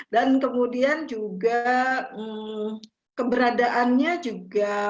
dan kemudian juga keberadaannya juga